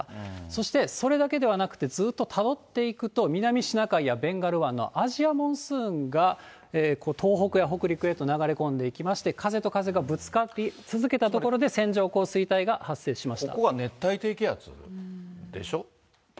そしてそれだけではなくて、ずっとたどっていくと、南シナ海やベンガル湾のアジアモンスーンが東北や北陸へと流れ込んでいきまして、風と風がぶつかり続けた所で、ここが熱帯低気圧でしょ？